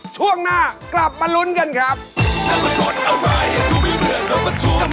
ช่วงหน้ากลับมาลุ้นกันครับ